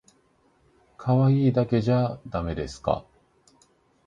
かわいいだけじゃだめですか